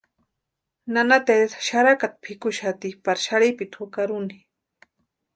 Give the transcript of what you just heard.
Nana Teresa xarakata pʼikuxati pari xarhipiti juraki úni.